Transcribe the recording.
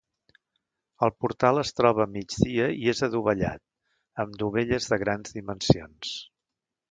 El portal es troba a migdia i és adovellat, amb dovelles de grans dimensions.